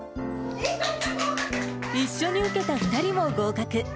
一緒に受けた２人も合格。